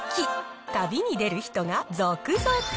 旅に出る人が続々。